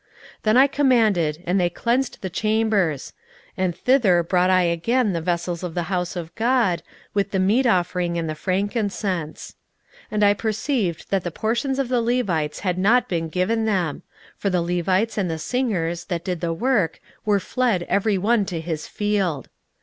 16:013:009 Then I commanded, and they cleansed the chambers: and thither brought I again the vessels of the house of God, with the meat offering and the frankincense. 16:013:010 And I perceived that the portions of the Levites had not been given them: for the Levites and the singers, that did the work, were fled every one to his field.